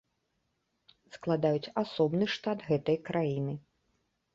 Складаюць асобны штат гэтай краіны.